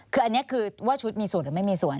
คืออันนี้คือว่าชุดมีส่วนหรือไม่มีส่วน